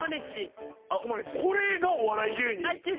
これがお笑い芸人？